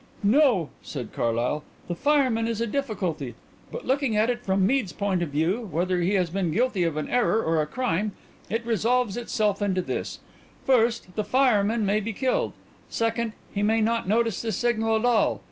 "No," said Carlyle. "The fireman is a difficulty, but looking at it from Mead's point of view whether he has been guilty of an error or a crime it resolves itself into this: First, the fireman may be killed. Second, he may not notice the signal at all.